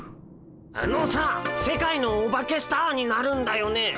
あのさ世界のオバケスターになるんだよね。